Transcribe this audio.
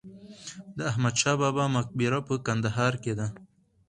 د احمدشاه بابا په مقبره په کندهار کې ده.